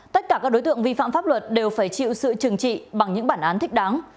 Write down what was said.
tất cả các đối tượng vi phạm pháp luật đều phải chịu sự trừng trị bằng những bản án thích đáng